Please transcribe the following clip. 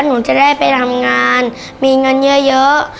หนูจะได้ไปทำงานมีเงินเยอะ